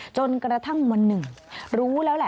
ตัวเองก็คอยดูแลพยายามเท็จตัวให้ตลอดเวลา